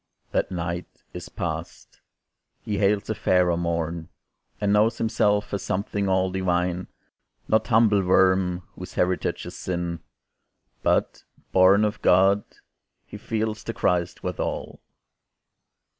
That night is past. He hails a fairer morn, And knows himself a something all divine; Not humble worm whose heritage is sin, But, born of God, he feels the Christ withal.